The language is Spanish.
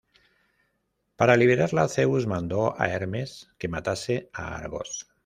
Para liberarla, Zeus mandó a Hermes que matase a Argos.